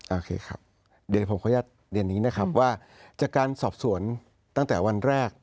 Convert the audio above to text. โอเคครับเดี๋ยวผมขออนุญาตเรียนนี้นะครับว่าจากการสอบสวนตั้งแต่วันแรก